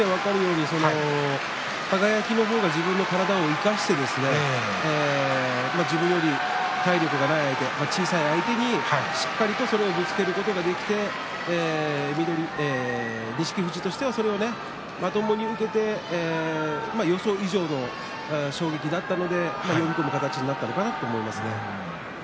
輝の方が自分の体を生かして自分より体力のない小さい相手にしっかりと、それをぶつけることができて錦富士としては、まともに受けて予想以上の衝撃だったのでああいう形になったのかなと思います。